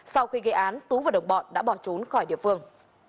sau khi gây án tú và đồng bọn đã bỏ trốn khỏi địa phương